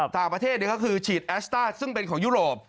ต่างประเทศก็คือฉีดแอสต้าซึ่งเป็นของยุโรป